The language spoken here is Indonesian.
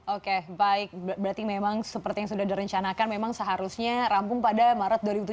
oke baik berarti memang seperti yang sudah direncanakan memang seharusnya rampung pada maret dua ribu tujuh belas